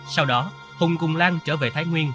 sau đó hùng cùng lan trở về thái nguyên